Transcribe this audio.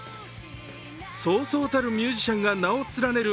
そうそうたるミュージシャンが名を連ねる